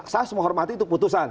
saya semua hormati itu putusan